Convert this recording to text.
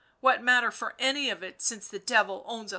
. what matter for any of it since the Devil owns us all